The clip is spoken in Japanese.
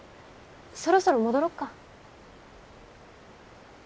そろそろ戻ろっか。